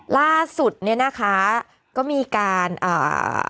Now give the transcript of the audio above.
ล่าสุดเนี้ยนะคะก็มีการอ่า